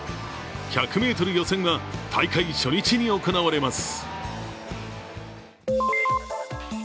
１００ｍ予選は大会初日に行われます。